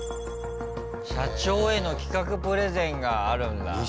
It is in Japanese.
社長への企画プレゼンがあるんだ。